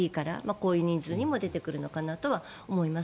こういう人数にも出てくるのかなとは思います。